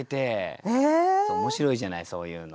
面白いじゃないそういうの。